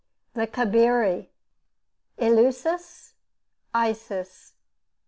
THE CABIRI. ELEUSIS. ISIS.